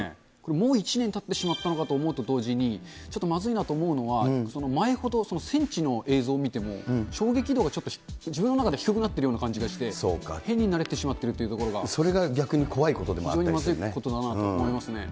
もう１年たってしまったのかと思うのと同時に、ちょっとまずいなと思うのは、前ほど、現地の映像見ても、衝撃度が自分の中で低くなっているような気がして、変に慣れてしそれが逆に怖いことでもある非常にまずいことだと思いますね。